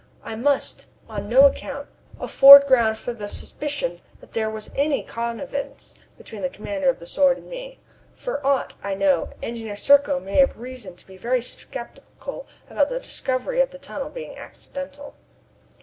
I must, on no account, afford ground for the suspicion that there was any connivance between the commander of the Sword and me. For aught I know, Engineer Serko may have reason to be very skeptical about the discovery of the tunnel being accidental.